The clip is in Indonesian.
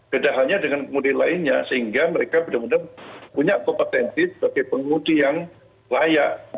kedahannya dengan pengemudi lainnya sehingga mereka mudah mudahan punya kompetensi sebagai pengemudi yang layak